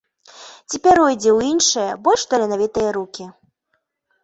Ці пяройдзе ў іншыя, больш таленавітыя рукі.